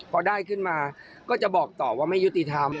พอได้ขึ้นมาก็จะบอกต่อว่าไม่ยุติธรรม